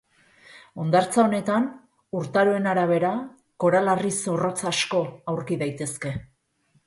Hondartza honetan, urtaroen arabera, koral-harri zorrotz asko aurki daitezke.